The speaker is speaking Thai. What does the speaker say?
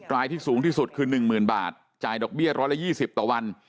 รายที่สูงที่สุดคือหนึ่งหมื่นบาทจ่ายดอกเบี้ยร้อยละยี่สิบต่อวัน